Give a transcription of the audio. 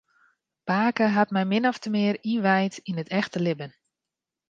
Pake hat my min ofte mear ynwijd yn it echte libben.